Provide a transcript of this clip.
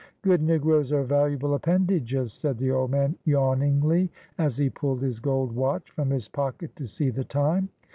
" Good negroes are valuable appendages," said the old man, yawningly, as he pulled his gold watch from his pocket to see the time.